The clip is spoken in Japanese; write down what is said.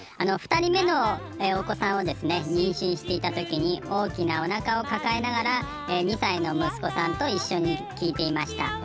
２人目のお子さんをですね妊娠していたときに大きなおなかを抱えながら２歳の息子さんと一緒に聴いていました。